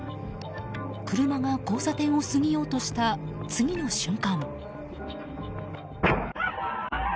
車が交差点を過ぎようとした次の瞬間。